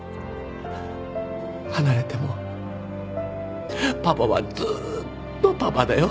離れてもパパはずっとパパだよ。